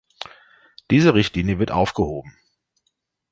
Diese Richtlinie wird aufgehoben.